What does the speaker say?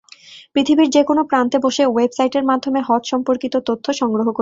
পৃথিবীর যেকোনো প্রান্তে বসে ওয়েবসাইটের মাধ্যমে হজ-সম্পর্কিত তথ্য সংগ্রহ করতে পারেন।